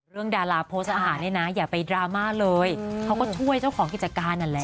ดาราโพสต์อาหารเนี่ยนะอย่าไปดราม่าเลยเขาก็ช่วยเจ้าของกิจการนั่นแหละ